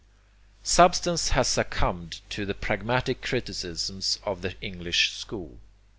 Substance has succumbed to the pragmatic criticisms of the English school.